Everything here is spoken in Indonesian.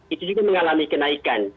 itu juga mengalami kenaikan